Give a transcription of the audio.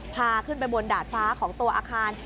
พาขึ้นไปบนดาดฟ้าของตัวอาคาร